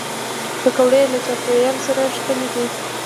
پکورې له چاپېریال سره ښکلي دي